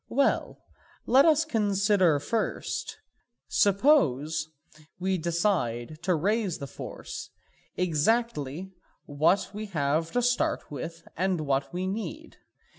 Well, let us consider first, suppose we decide to raise the force, exactly what we have to start with and what we need.